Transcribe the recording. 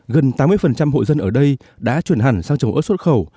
gần tám mươi hộ dân ở đây đã chuyển hẳn sang trồng ớt xuất khẩu